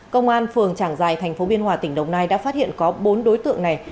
công an phường trảng giài thành phố biên hòa tỉnh đồng nai đã phát hiện có bốn đối tượng này